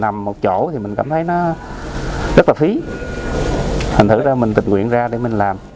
nằm một chỗ thì mình cảm thấy rất là phí thử ra mình tịnh nguyện ra để mình làm